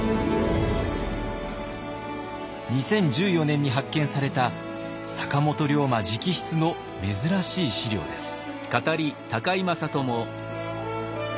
２０１４年に発見された坂本龍馬直筆の珍しい史料です。